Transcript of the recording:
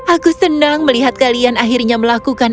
aku senang melihat kalian akhirnya melakukan